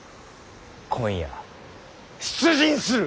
今夜出陣する！